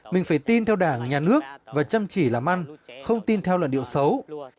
mình phải tin theo đảng nhà nước và chăm chỉ làm ăn không tin theo luận điệu xấu